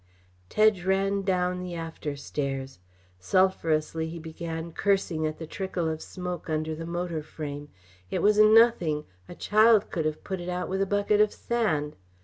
Tedge ran down the after stairs. Sulphurously he began cursing at the trickle of smoke under the motor frame. It was nothing a child could have put it out with a bucket of sand.